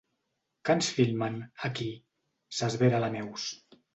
Que ens filmen, aquí? —s'esvera la Neus.